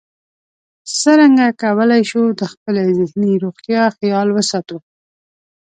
څرنګه کولی شو د خپلې ذهني روغتیا خیال وساتو